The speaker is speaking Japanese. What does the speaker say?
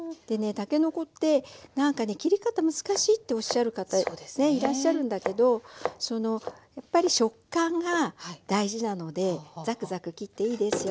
たけのこって切り方難しいっておっしゃる方ねいらっしゃるんだけどやっぱり食感が大事なのでザクザク切っていいですよ。